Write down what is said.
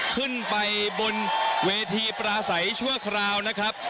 ขึ้นไปบนเวทีปราศัยชั่วคราวนะครับ